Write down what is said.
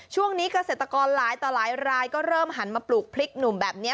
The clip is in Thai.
ช่วงนี้เกษตรกรหลายต่อหลายรายก็เริ่มหันมาปลูกพริกหนุ่มแบบนี้